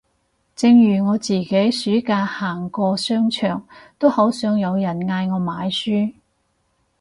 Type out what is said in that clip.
正如我自己暑假行過商場都好想有人嗌我買書